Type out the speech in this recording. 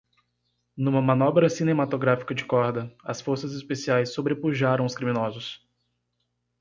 Numa manobra cinematográfica de corda?, as forças especiais sobrepujaram os criminosos.